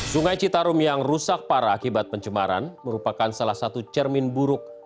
sungai citarum yang rusak parah akibat pencemaran merupakan salah satu cermin buruk